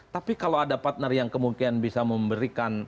tapi kalau ada partner yang kemungkinan bisa memberikan